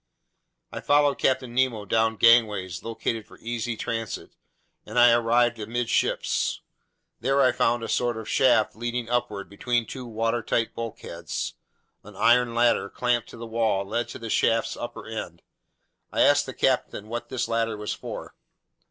I followed Captain Nemo down gangways located for easy transit, and I arrived amidships. There I found a sort of shaft heading upward between two watertight bulkheads. An iron ladder, clamped to the wall, led to the shaft's upper end. I asked the captain what this ladder was for.